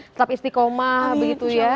tetap istiqomah begitu ya